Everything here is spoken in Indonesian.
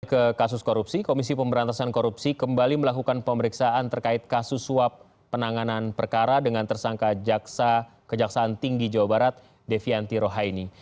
ke kasus korupsi komisi pemberantasan korupsi kembali melakukan pemeriksaan terkait kasus suap penanganan perkara dengan tersangka kejaksaan tinggi jawa barat devianti rohaini